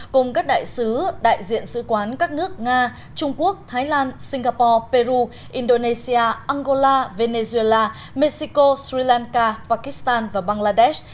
cùng các đại sứ đại diện sứ quán các nước nga trung quốc thái lan singapore peru indonesia angola venezuela mexico sri lanka pakistan và bangladesh